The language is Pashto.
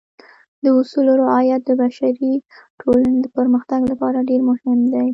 د اصولو رعایت د بشري ټولنې د پرمختګ لپاره ډېر مهم دی.